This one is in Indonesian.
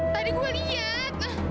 tadi gue lihat